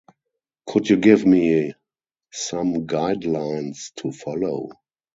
Could you give me some guidelines to follow?